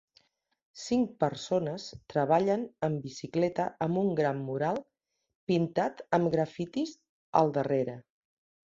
Cinc persones treballen en bicicleta amb un gran mural pintat amb grafitis al darrere.